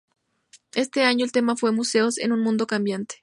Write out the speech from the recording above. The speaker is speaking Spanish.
Este año, el tema fue "Museos en un mundo cambiante.